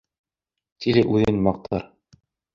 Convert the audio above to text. Тиле үҙен маҡтар.